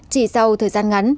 chỉ sau thời gian ngắn